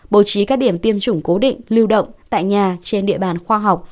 bố trí các điểm tiêm chủng cố định lưu động tại nhà trên địa bàn khoa học